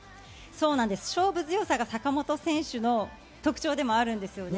勝負強さが坂本選手の特徴でもあるんです。